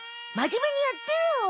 まじめにやってよ。